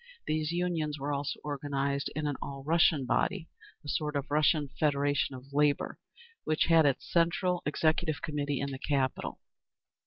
These Unions were also organised in an All Russian body, a sort of Russian Federation of Labour, which had its Central Executive Committee in the capital.